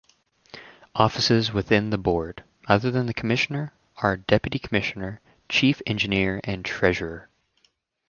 Offices within the board, other than Commissioner, are Deputy Commissioner; Chief Engineer and Treasurer.